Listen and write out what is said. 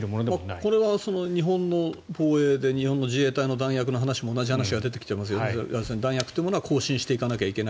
これは日本の防衛で日本の自衛隊の弾薬の話も同じ話が出てきてますが弾薬も更新していかないといけない。